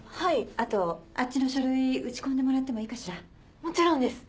あとあっちの書類打ち込んでもらってもいいかしら？もちろんです！